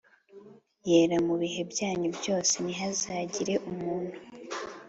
yera mu bihe byanyu byose Ntihazagire umuntu